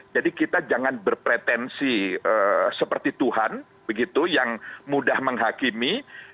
jadi kita jangan berpretensi seperti tuhan begitu yang mudah menghakimi